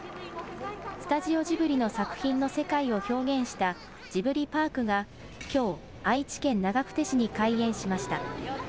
スタジオジブリの作品の世界を表現したジブリパークがきょう、愛知県長久手市に開園しました。